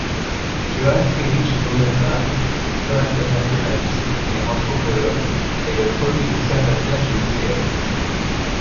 Johann Friedrich Blumenbach, explorateur naturaliste et anthropologue, est le premier conservateur du muséum.